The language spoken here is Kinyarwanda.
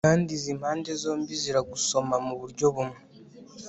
kandi izi mpande zombi ziragusoma muburyo bumwe